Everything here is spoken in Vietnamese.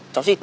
về rồi đi